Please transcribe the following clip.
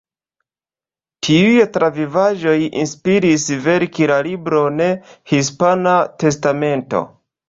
Tiuj travivaĵoj inspiris verki la libron „Hispana Testamento“.